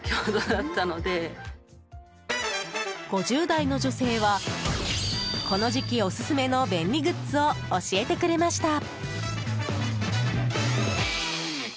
５０代の女性はこの時期オススメの便利グッズを教えてくれました。